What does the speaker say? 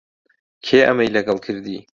کێ ئەمەی لەگەڵ کردی؟